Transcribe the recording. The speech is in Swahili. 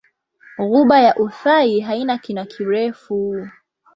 Ghuba ya Uthai haina kina kirefu.